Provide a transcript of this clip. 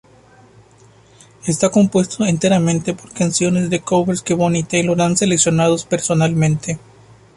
Está compuesto enteramente por canciones covers que Bonnie Tyler ha seleccionado personalmente.